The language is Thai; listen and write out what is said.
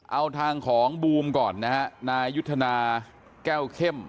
เอาทางของบูมก่อนนะฮะนายยุทธนาแก้วเข้ม